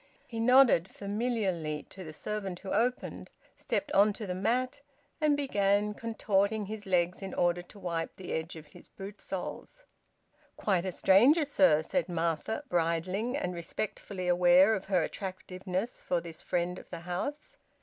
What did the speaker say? He nodded familiarly to the servant who opened, stepped on to the mat, and began contorting his legs in order to wipe the edge of his boot soles. "Quite a stranger, sir!" said Martha, bridling, and respectfully aware of her attractiveness for this friend of the house.